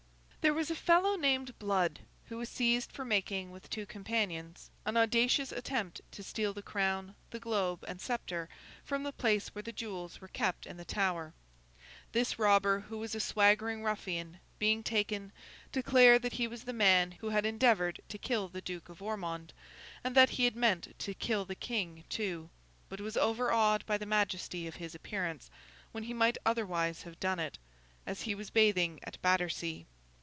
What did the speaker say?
There was a fellow named Blood, who was seized for making, with two companions, an audacious attempt to steal the crown, the globe, and sceptre, from the place where the jewels were kept in the Tower. This robber, who was a swaggering ruffian, being taken, declared that he was the man who had endeavoured to kill the Duke of Ormond, and that he had meant to kill the King too, but was overawed by the majesty of his appearance, when he might otherwise have done it, as he was bathing at Battersea.